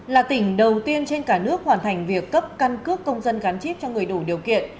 là tỉnh đầu tiên trên cả nước hoàn thành việc cấp căn cước công dân gắn chip cho người đủ điều kiện